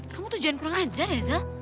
kamu tuh jangan kurang ajar ya zal